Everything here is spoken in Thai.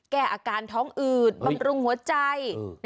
แก้อาการท้องอืดบำรุงหัวใจ